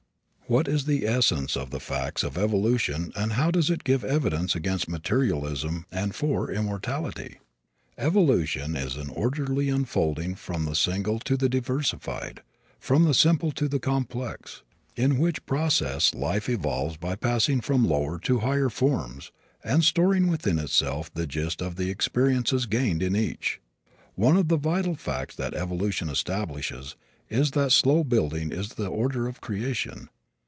What is the essence of the facts of evolution and how does it give evidence against materialism and for immortality? Evolution is an orderly unfolding from the single to the diversified, from the simple to the complex, in which process life evolves by passing from lower to higher forms and storing within itself the gist of the experiences gained in each. One of the vital facts that evolution establishes is that slow building is the order of creation.